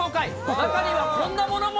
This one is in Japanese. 中にはこんなものも。